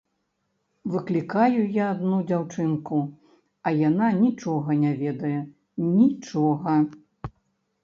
Выклікаю я адну дзяўчыну, а яна нічога не ведае, нічога.